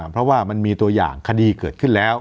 เพราะว่ามันมีตัวอย่างคดีเกิดขึ้นแล้ว